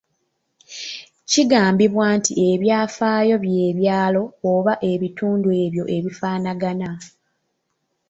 Kigambibwa nti ebyafaayo by’ebyalo oba ebitundu ebyo bifaanagana.